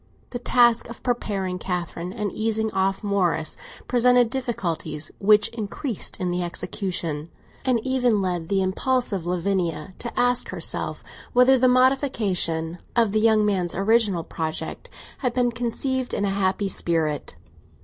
The task of preparing Catherine and easing off Morris presented difficulties which increased in the execution, and even led the impulsive Lavinia to ask herself whether the modification of the young man's original project had been conceived in a happy spirit.